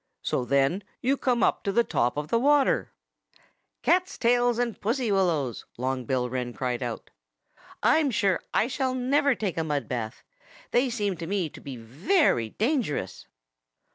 So then you come up to the top of the water." "Cat tails and pussy willows!" Long Bill Wren cried out. "I'm sure I shall never take a mud bath. They seem to me to be very dangerous."